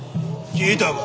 聞いたか？